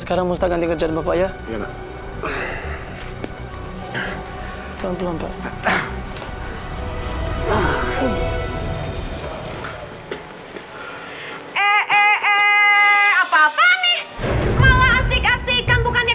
kamu sama bapak kamu